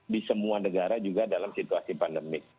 di semua negara juga dalam situasi pandemik